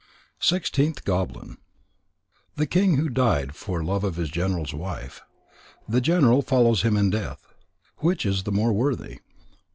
SIXTEENTH GOBLIN _The King who died for Love of his General's Wife; the General follows him in Death. Which is the more worthy?